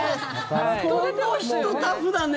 この人、タフだね！